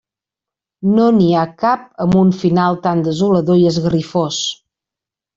No n’hi ha cap amb un final tan desolador i esgarrifós.